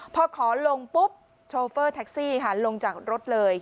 พอขอลงปุ๊บโชเฟอร์แท็กซี่ค่ะลงจากรถเลย